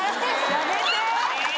やめて。